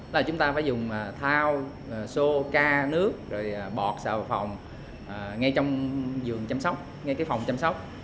đó là chúng ta phải dùng thao xô ca nước rồi bọt xào phòng ngay trong giường chăm sóc ngay cái phòng chăm sóc